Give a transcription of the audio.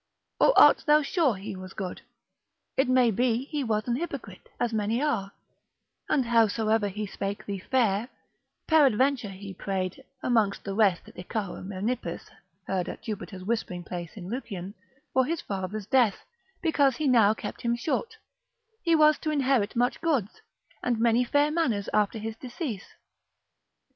Or art thou sure he was good? It may be he was an hypocrite, as many are, and howsoever he spake thee fair, peradventure he prayed, amongst the rest that Icaro Menippus heard at Jupiter's whispering place in Lucian, for his father's death, because he now kept him short, he was to inherit much goods, and many fair manors after his decease.